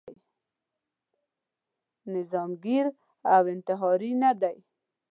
نظاميګر او انتحاري نه دی.